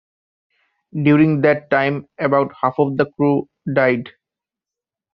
During that time, about half of the crew died.